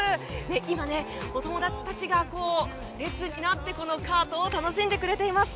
今、お友達たちが列になってこのカートを楽しんでくれています。